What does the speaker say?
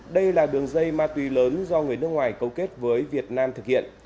đây là đường dây ma túy lớn do người nước ngoài cấu kết với việt nam thực hiện